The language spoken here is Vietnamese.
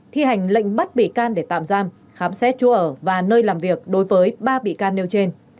thi hành lệnh bắt bị can để tạm giam khám xét chỗ ở và nơi làm việc đối với ba bị can nêu trên